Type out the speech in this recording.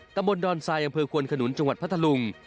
ตำบลดอนทรายอำเภอควนขนุนจังหวัดพัทธลุง